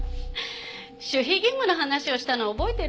守秘義務の話をしたのは覚えてる？